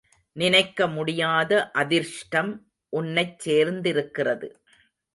நினைக்க முடியாத அதிர்ஷ்டம் உன்னைச் சேர்ந்திருக்கிறது.